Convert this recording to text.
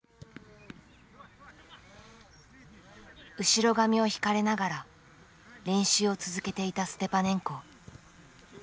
後ろ髪を引かれながら練習を続けていたステパネンコ。